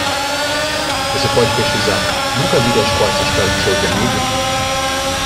Você pode pesquisar Nunca vire as costas para um show de amigo?